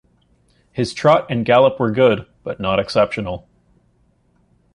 His trot and gallop were good but not exceptional.